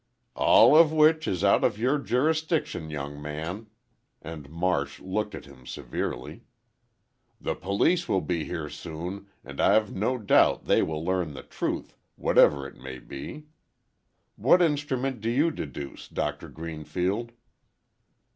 "All of which is out of your jurisdiction, young man," and Marsh looked at him severely. "The police will be here soon, and I've no doubt they will learn the truth, whatever it may be. What instrument do you deduce, Doctor Greenfield?"